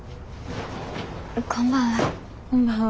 こんばんは。